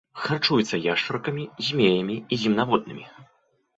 Харчуецца яшчаркамі, змеямі і земнаводнымі.